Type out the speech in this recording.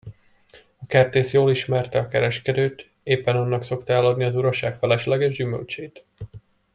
A kertész jól ismerte a kereskedőt, éppen annak szokta eladni az uraság felesleges gyümölcsét.